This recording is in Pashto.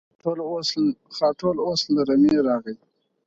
خاټول اوس له رمې راغی.